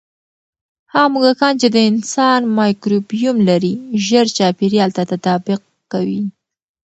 هغه موږکان چې د انسان مایکروبیوم لري، ژر چاپېریال ته تطابق کوي.